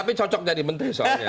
tapi cocok jadi menteri soalnya